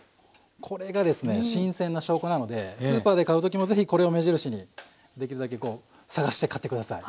これがですね新鮮な証拠なのでスーパーで買う時も是非これを目印にできるだけこう探して買って下さい。